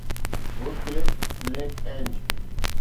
Woodcliff Lake Ange